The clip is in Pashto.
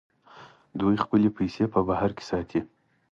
دوی خپلې پیسې په بهر کې ساتي.